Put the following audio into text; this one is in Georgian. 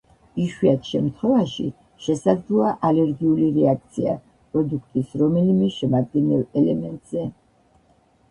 იშვიათ შემთხვევაში შესაძლოა ალერგიული რეაქცია, პროდუქტის რომელიმე შემადგენელ ელემენტზე.